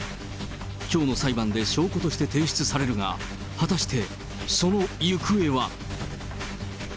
きょうの裁判で証拠として提出されるが、果たしてその行方は？